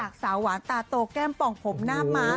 สาวหวานตาโตแก้มป่องผมหน้าม้า